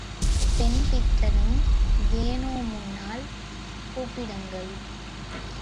பெண் பித்தன்னு வேணுமுன்னால் கூப்பிடுங்கள்.